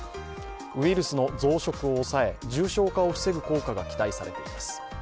ウイルスの増殖を抑え、重症化を防ぐ効果が期待されています。